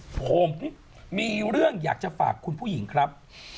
ผมมีเรื่องอยากจะฝากคุณผู้หญิงครับ